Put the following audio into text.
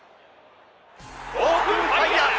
オープンファイヤ！